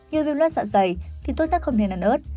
như viêm loát dạ dày thì tốt nhất không nên ăn ớt